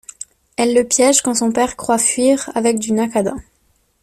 Elle le piège quand son père croit fuir avec du Naquadah.